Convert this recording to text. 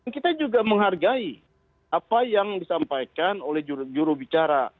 kita juga menghargai apa yang disampaikan oleh jurubicara